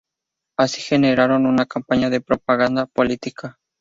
Así generaron una campaña de propaganda política.